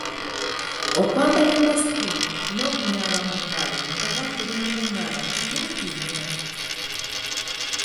Okwambala masiki n'okunaaba mu ngalo nga bakuba enkung'aana kirungi nyo.